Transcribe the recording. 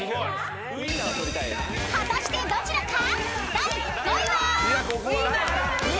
［果たしてどちらか？］